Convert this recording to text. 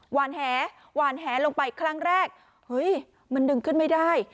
หวานแหหวานแหลงไปครั้งแรกเฮ้ยมันดึงขึ้นไม่ได้